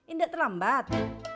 ini gak terlambat